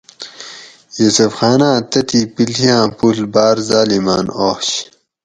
یوسف خاناۤں تتھی پِیڷیاۤں پُوڷ باۤر ظالماۤن آش